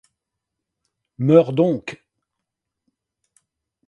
Meurs donc!